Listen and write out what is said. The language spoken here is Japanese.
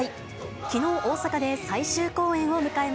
きのう、大阪で最終公演を迎えま